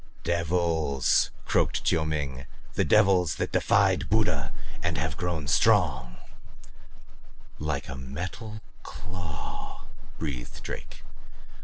"Devils," croaked Chiu Ming. "The devils that defied Buddha and have grown strong " "Like a metal claw!" breathed Drake.